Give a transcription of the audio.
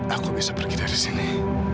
aku bisa pergi dari sini